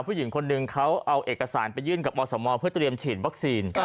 ผู้หญิงคนหนึ่งเขาเอาเอกสารไปยื่นกับอสมเพื่อเตรียมฉีดวัคซีน